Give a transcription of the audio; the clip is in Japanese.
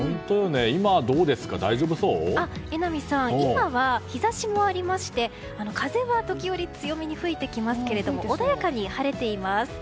今は日差しもありまして風は時折、強めに吹いてきますが穏やかに晴れています。